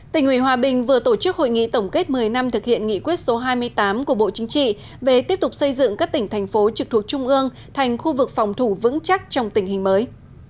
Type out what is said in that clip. tỉnh ủy hòa bình vừa tổ chức hội nghị tổng kết một mươi năm thực hiện nghị quyết số hai mươi tám của bộ chính trị về tiếp tục xây dựng các tỉnh thành phố trực thuộc trung ương thành khu vực phòng thủ vững chắc trong tình hình mới